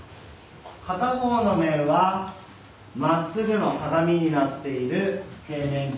片方の面はまっすぐの鏡になっている平面鏡